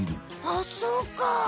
あっそうか！